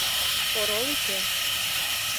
Орол уке.